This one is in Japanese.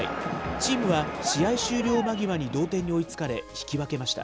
チームは試合終了間際に同点に追いつかれ、引き分けました。